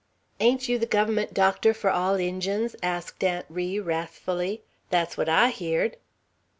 "Ain't you the Guvvermunt doctor for all Injuns?" asked Aunt Ri, wrathfully. "Thet's what I heerd."